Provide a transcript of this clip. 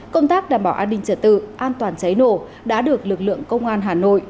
công tác đảm bảo an ninh trật tự an toàn cháy nổ đã được lực lượng công an hà nội